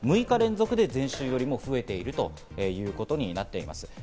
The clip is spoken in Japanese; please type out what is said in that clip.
６日連続で前週よりも増えているということになっています。